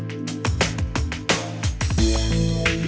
ชื่อฟอยแต่ไม่ใช่แฟง